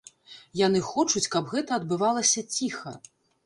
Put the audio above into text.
Яны хочуць, каб гэта адбывалася ціха.